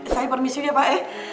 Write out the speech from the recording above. saya permisi ya pak ya